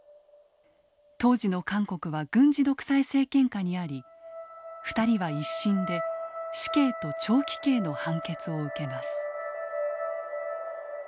当時の韓国は軍事独裁政権下にあり２人は一審で死刑と長期刑の判決を受けます。